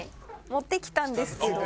持ってきたんですけど。